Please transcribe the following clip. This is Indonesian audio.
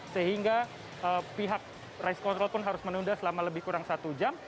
sehingga pihak rice control pun harus menunda selama lebih kurang satu jam